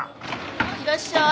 いらっしゃい。